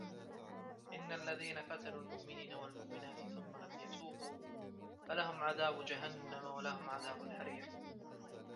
إِنَّ الَّذينَ فَتَنُوا المُؤمِنينَ وَالمُؤمِناتِ ثُمَّ لَم يَتوبوا فَلَهُم عَذابُ جَهَنَّمَ وَلَهُم عَذابُ الحَريقِ